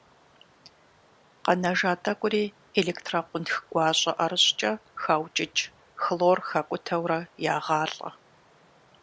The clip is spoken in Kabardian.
Къэнэжа тӀэкӀури электрокъунтх гуащӀэ ӀэрыщӀкӀэ хаукӀыкӀ, хлор хакӀутэурэ ягъалӀэ.